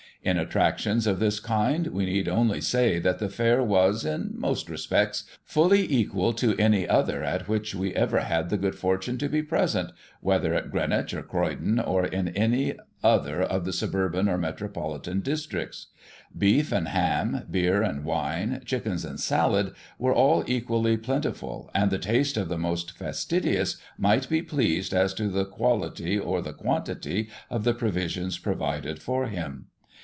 In attractions of this kind we need only say that the fair was> in most respects, fully equal to any other at which we ever had the good fortune to be present, whether at Greenwich, or Croydon, or in any otlier of the suburban or metropolitan districts. Beef and ham, beer and wine, chickens and salad, were all equally plentiful, and the taste of the most fastidious might be pleased as to the quality, or the quantity, of the provisions provided for him.